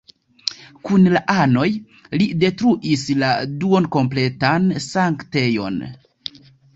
Kun la anoj, li detruis la duon-kompletan sanktejon.